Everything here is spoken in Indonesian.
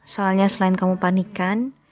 soalnya selain kamu panikan